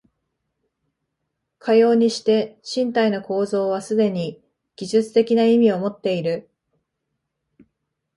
かようにして身体の構造はすでに技術的な意味をもっている。